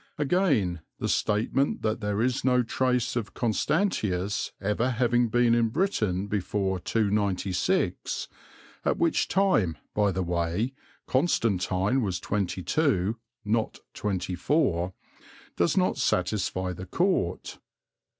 Again, the statement that there is no trace of Constantius ever having been in Britain before 296 (at which time, by the way, Constantine was twenty two, not twenty four), does not satisfy the court.